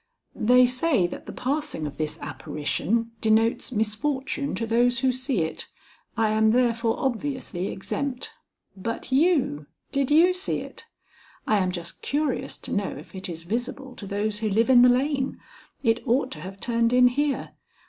"They say that the passing of this apparition denotes misfortune to those who see it. I am therefore obviously exempt. But you did you see it? I am just curious to know if it is visible to those who live in the lane. It ought to have turned in here.